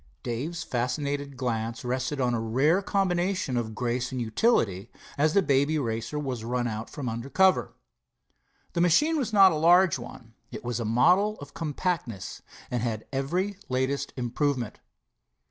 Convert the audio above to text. Dave's fascinated glance rested on a rare combination of grace and utility, as the Baby Racer was run out from under cover. The machine was not a large one. It was a model of compactness, and had every latest improvement.